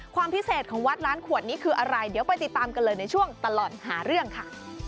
ความพิเศษของวัดล้านขวดนี้คืออะไรเดี๋ยวไปติดตามกันเลยในช่วงตลอดหาเรื่องค่ะ